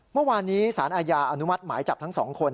เมื่อวานนี้สารอาญาอนุมัติหมายจับทั้งสองคน